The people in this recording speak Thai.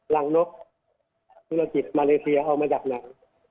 หลังนกธุรกิจมาเลเซียเอามาจากหนัง